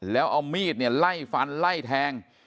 แล้วเอามีดเนี่ยไล่ฟันไล่แทง